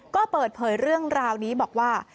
ก็เปิดเผยเรื่องราวนี้บอกว่า